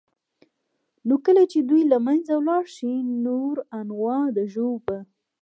نو كله چي دوى له منځه ولاړ شي نور انواع د ژوو به